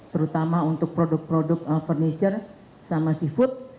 terutama untuk produk produk furniture sama seafood